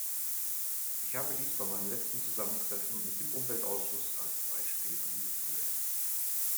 Ich habe dies bei meinem letzten Zusammentreffen mit dem Umweltausschuss als Beispiel angeführt.